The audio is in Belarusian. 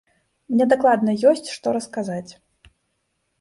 Мне дакладна ёсць, што расказаць.